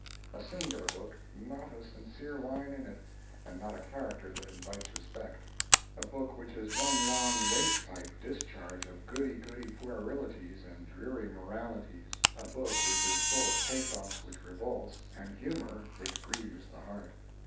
A singular book. Not a sincere line in it, and not a character that invites respect; a book which is one long waste pipe discharge of goody goody puerilities and dreary moralities; a book which is full of pathos which revolts, and humor which grieves the heart.